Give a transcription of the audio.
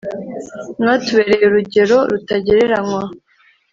mwatubereye urugero rutagereranywa